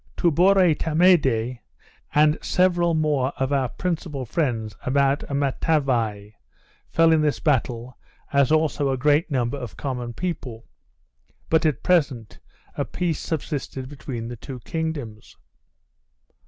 Tubourai Tamaide, and several more of our principal friends about Matavai, fell in this battle, as also a great number of common people; but, at present, a peace subsisted between the two kingdoms.